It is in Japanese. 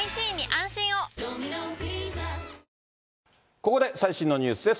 ここで最新のニュースです。